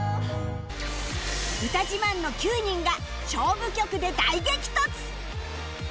歌自慢の９人が勝負曲で大激突！